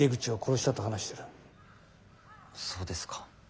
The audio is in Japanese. そうですか。